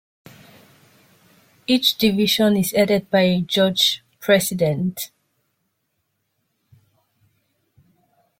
Each division is headed by a Judge President.